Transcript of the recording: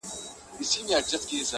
انسان تر کاڼي کلک، تر گل نازک دئ.